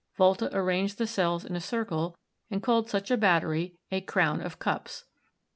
Volta arranged the cells in a circle and called such a battery a "crown of cups."